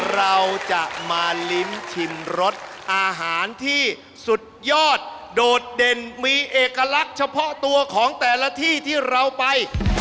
เราจะมาลิ้มชิมรสอาหารที่สุดยอดโดดเด่นมีเอกลักษณ์เฉพาะตัวของแต่ละที่ที่เราไป